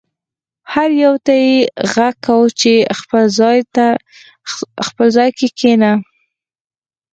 هر یو ته یې غږ کاوه چې خپل ځای کې کښېنه.